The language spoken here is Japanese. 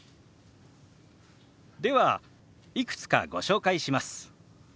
ではいくつかご紹介します。